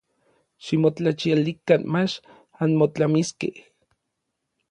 Ximotlachialikan mach anmotlamiskej.